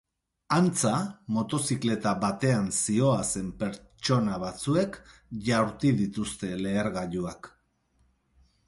Antza, motozikleta batean zihoazen pertsona batzuek jaurti dituzte lehergailuak.